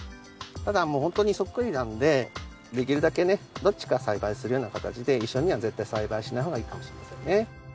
ただもう本当にそっくりなんでできるだけねどっちか栽培するような形で一緒には絶対栽培しない方がいいかもしれませんね。